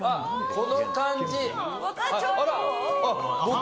この感じ。